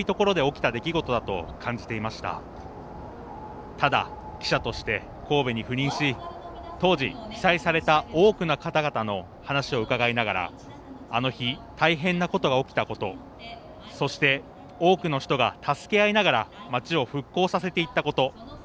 ただ、記者として神戸に赴任し当時、被災された多くの方々の話を伺いながらあの日大変なことが起きたことそして、多くの人が助け合いながら街を復興させていったこと。